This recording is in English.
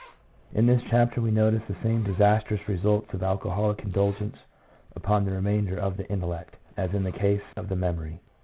In this chapter we notice the same disastrous results of alcoholic indulgence upon the remainder of the intellect as in the case of the memory.